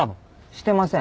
してません。